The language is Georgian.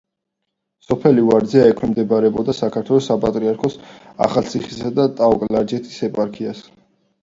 სოფელი ვარძია ექვემდებარება საქართველოს საპატრიარქოს ახალციხისა და ტაო-კლარჯეთის ეპარქიას.